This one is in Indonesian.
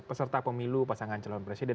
peserta pemilu pasangan calon presiden